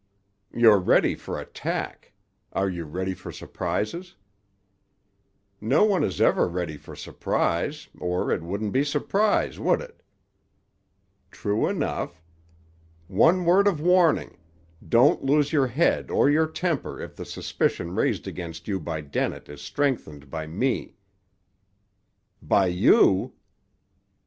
"You're ready for attack. Are you ready for surprises?" "No one is ever ready for surprise, or it wouldn't be surprise, would it?" "True enough. One word of warning: don't lose your head or your temper if the suspicion raised against you by Dennett is strengthened by me." "By you!"